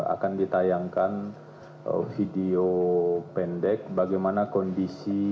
akan ditayangkan video pendek bagaimana kondisi